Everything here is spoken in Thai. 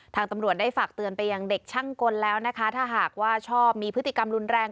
ตำรวจได้ฝากเตือนไปยังเด็กช่างกลแล้วนะคะถ้าหากว่าชอบมีพฤติกรรมรุนแรง